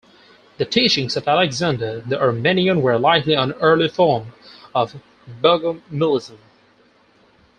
The teachings of Alexander the Armenian were likely an early form of Bogomilism.